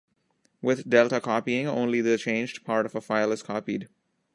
With delta copying, only the changed part of a file is copied.